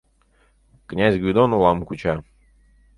Князь Гвидон олам куча